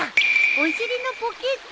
お尻のポケット！